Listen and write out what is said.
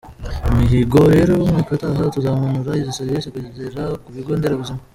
Umuhigo rero w’umwaka utaha, tuzamanura izo serivisi kugera ku bigo nderabuzima.